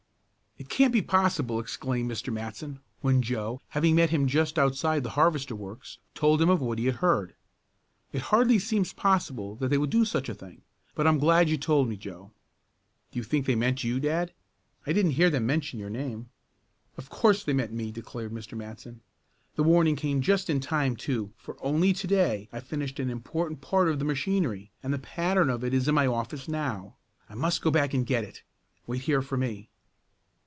"It can't be possible!" exclaimed Mr. Matson, when Joe, having met him just outside the harvester works, told him of what he had heard. "It hardly seems possible that they would do such a thing. But I'm glad you told me, Joe." "Do you think they meant you, dad? I didn't hear them mention your name." "Of course they meant me!" declared Mr. Matson. "The warning came just in time, too, for only to day I finished an important part of the machinery and the pattern of it is in my office now. I must go back and get it. Wait here for me."